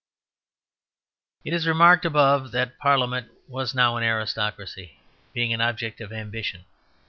It is remarked above that Parliament was now an aristocracy, being an object of ambition.